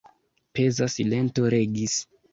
Peza silento regis.